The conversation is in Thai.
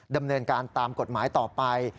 ดำเนินการตามกฎหมายต่อไป